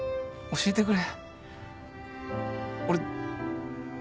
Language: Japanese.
教えてくれ。